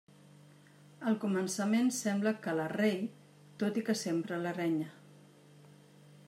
Al començament sembla que la Rei, tot i que sempre la renya.